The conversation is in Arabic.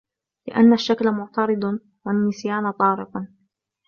لِأَنَّ الشَّكْلَ مُعْتَرِضٌ وَالنِّسْيَانَ طَارِقٌ